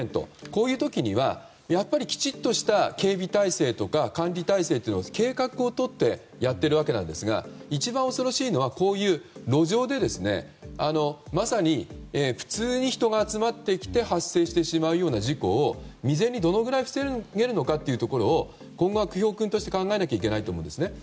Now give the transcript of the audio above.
こういう時にはきちっとした警備の態勢とか管理を、計画をとってやっているわけなんですが一番恐ろしいのは、路上でまさに普通に人が集まってきて発生してしまうような事故を未然にどのぐらい防げるのかを今後は教訓として考えないといけないと思います。